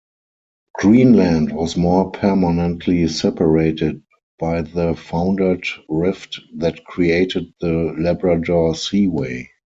Greenland was more permanently separated, by the foundered rift that created the Labrador Seaway.